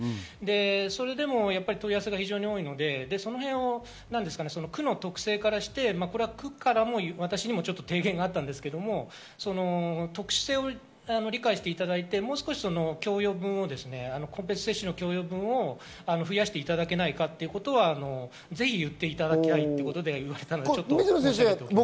それでも問い合わせが非常に多いので区の特性からして、区からも私に提言があったんですが特殊性を理解していただいて、もう少し個別接種の共用部分を増やしていただけないかということを言っていただきたいということで、言われたので申し上げております。